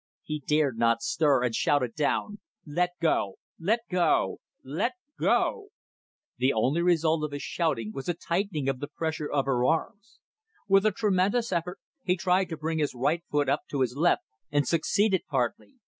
He dared not stir, and shouted down "Let go! Let go! Let go!" The only result of his shouting was a tightening of the pressure of her arms. With a tremendous effort he tried to bring his right foot up to his left, and succeeded partly.